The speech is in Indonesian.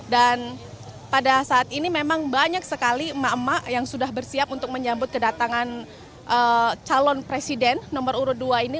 dan pada saat ini memang banyak sekali emak emak yang sudah bersiap untuk menjemput kedatangan calon presiden nomor urut dua ini